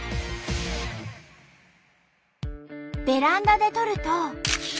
ベランダで撮ると。